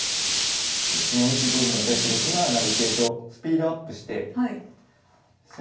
そうですね４一同と金に対して６七成桂とスピードアップして攻めてきましたね。